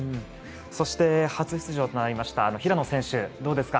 そして初出場となりました平野選手どうですか？